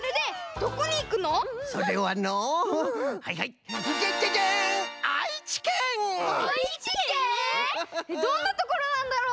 どんなところなんだろう？